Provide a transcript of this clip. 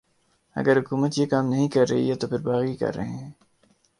اگر حکومت یہ کام نہیں کررہی تو پھر باغی کررہے ہیں